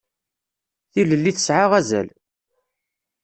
Tilelli tesɛa azal.